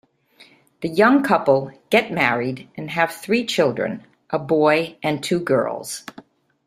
The young couple get married and have three children, a boy and two girls.